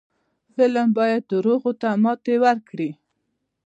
فلم باید دروغو ته ماتې ورکړي